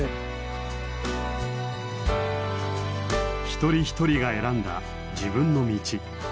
一人ひとりが選んだ自分の道。